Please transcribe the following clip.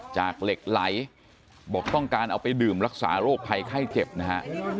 เหล็กไหลบอกต้องการเอาไปดื่มรักษาโรคภัยไข้เจ็บนะฮะ